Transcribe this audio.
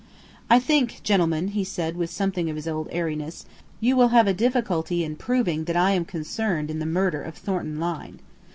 "I think, gentlemen," he said with something of his old airiness, "you will have a difficulty in proving that I am concerned in the murder of Thornton Lyne.